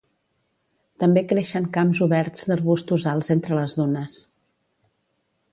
També creixen camps oberts d'arbustos alts entre les dunes.